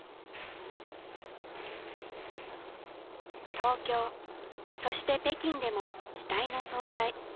東京そして北京でも期待の存在。